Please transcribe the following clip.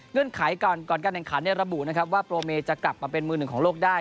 ไขก่อนก่อนการแข่งขันระบุนะครับว่าโปรเมจะกลับมาเป็นมือหนึ่งของโลกได้